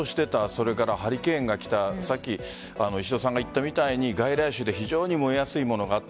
それからハリケーンがきた石戸さんが言ったみたいに外来種で非常に燃えやすいものがあった。